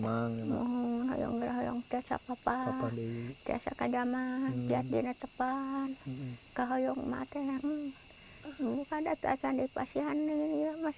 hanya ya mobilnya semua sudah sembuh ma